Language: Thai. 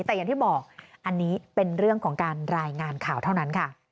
แต่อย่างที่บอกอันนี้เป็นเรื่องของการรายงานข่าวเท่านั้นค่ะ